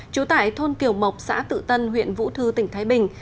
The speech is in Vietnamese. trú tại thôn kiều mộc xã tự tân huyện vũ thư tỉnh thái bình